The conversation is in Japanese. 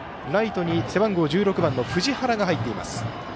ライトに背番号１６の藤原が入っています。